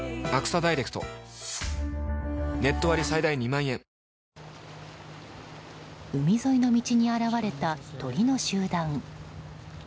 「ほんだし」で海沿いの道に現れた鳥の集団。